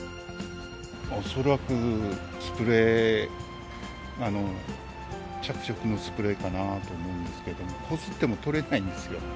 恐らくスプレー、着色のスプレーかなと思うんですけど、こすっても取れないんですよ。